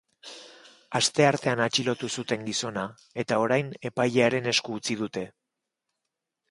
Asteartean atxilotu zuten gizona, eta orain epailearen esku utzi dute.